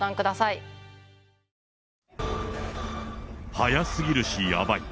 早すぎるしやばい。